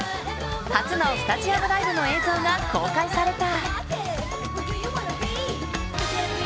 初のスタジアムライブの映像が公開された。